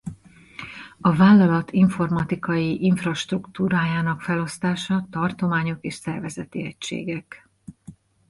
A vállalat informatikai infrastruktúrájának felosztása tartományok és szervezeti egységek hierarchiájára kulcsfontosságú tervezési lépés.